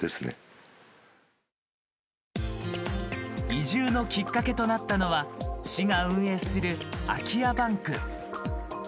移住のきっかけとなったのは市が運営する空き家バンク。